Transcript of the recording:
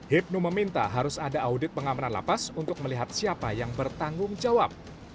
hipnu meminta harus ada audit pengamanan lapas untuk melihat siapa yang bertanggung jawab